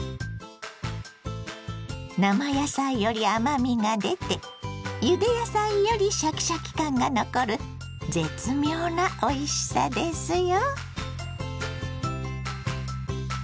生野菜より甘みが出てゆで野菜よりシャキシャキ感が残る絶妙なおいしさですよ。